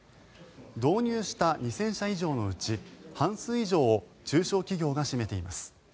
導入した２０００社以上のうち半数以上を中小企業が占めています。